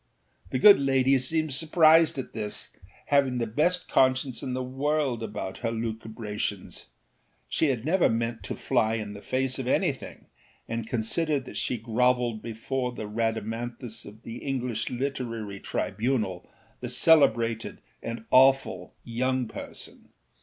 â The good lady seemed surprised at this, having the best conscience in the world about her lucubrations. She had never meant to fly in the face of anything, and considered that she grovelled before the Rhadamanthus of the English literary tribunal, the celebrated and awful Young Person.